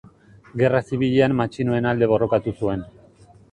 Gerra Zibilean matxinoen alde borrokatu zuen.